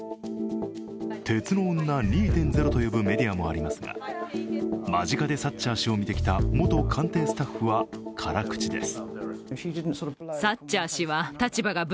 鉄の女２．０と呼ぶメディアもありますが間近でサッチャー氏を見てきた元官邸スタッフは辛口です。